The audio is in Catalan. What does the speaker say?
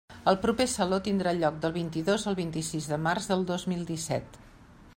El proper Saló tindrà lloc del vint-i-dos al vint-i-sis de març del dos mil disset.